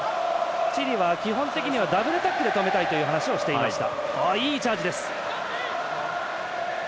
チリは基本的にはダブルタックルで止めたいと話していました。